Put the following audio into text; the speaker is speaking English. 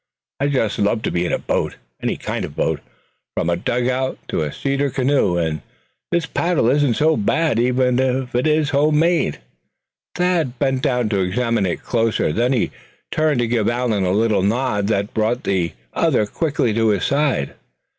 I just love to be in a boat, any kind of boat from a dugout to a cedar canoe. And this paddle isn't so bad, even if home made." Thad bent down to examine closer. Then he turned to give Allan a little nod that brought the other quickly to his side.